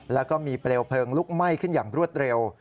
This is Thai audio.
แล้วก็มีเปลวเพลิงลุกไหม้ขึ้นอย่างรวดเร็ว